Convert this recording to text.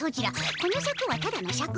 このシャクはただのシャク。